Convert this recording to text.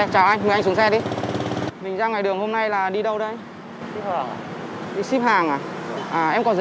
chăm nhận được đúng không